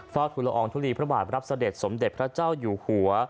ทุลอองทุลีพระบาทรับเสด็จสมเด็จพระเจ้าอยู่หัว